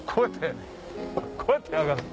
こうやって上がるの。